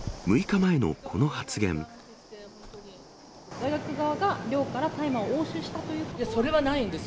大学側が寮から大麻を押収しそれはないです。